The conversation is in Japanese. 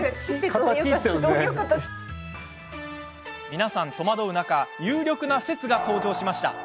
皆さん戸惑う中有力な説が登場しました。